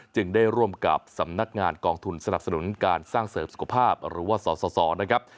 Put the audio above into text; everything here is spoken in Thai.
ได้ร่วมกับสำนักงานกองทุนสนับสนุนการสร้างเสริมสุขภาพหรือว่าสสนะครับ